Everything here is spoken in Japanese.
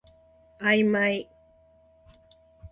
あいまい